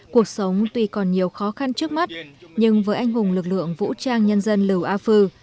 cuộc sống tuy còn nhiều khó khăn trước mắt nhưng với anh hùng lực lượng vũ trang nhân dân lưu a phư